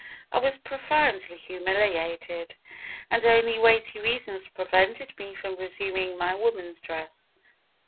I was profoundly humiliated, and only weighty reasons prevented me from resuming my woman's dress.